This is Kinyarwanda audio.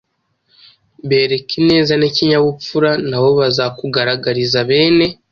Bereke ineza n’ikinyabupfura, na bo bazakugaragariza bene